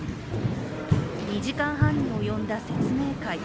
２時間半に及んだ説明会。